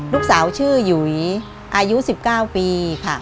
ลูกสาวชื่อหยุยอายุ๑๙ปีค่ะ